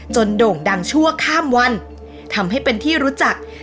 โด่งดังชั่วข้ามวันทำให้เป็นที่รู้จัก